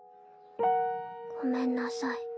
ごめんなさい。